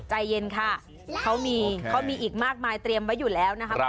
ใจเย็นค่ะเขามีเขามีอีกมากมายเตรียมไว้อยู่แล้วนะครับ